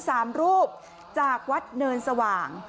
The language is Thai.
สามรูปจากวัดเนินสว่าง